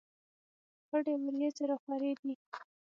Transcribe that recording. خړې ورېځې را خورې دي.